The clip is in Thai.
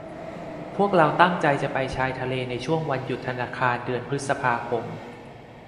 พวกเราตั้งใจจะไปชายทะเลในช่วงวันหยุดธนาคารเดือนพฤษภาคม